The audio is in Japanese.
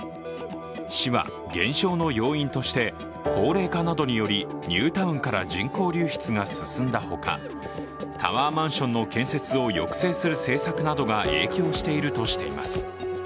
市は減少の要因として高齢化などによりニュータウンから人口流出が進んだほかタワーマンションの建設を抑制する政策などが影響しているとしています。